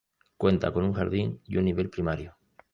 Cuenta con un jardin y un nivel primario